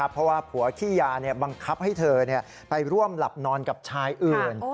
เพราะว่าผัวขี้ยาบังคับให้เธอไปร่วมหลับนอนกับชายอื่น